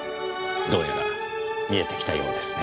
どうやら見えてきたようですねぇ。